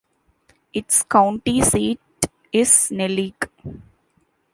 Its county seat is Neligh.